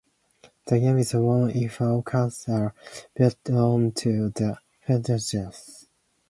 The game is won if all cards are built onto the foundations.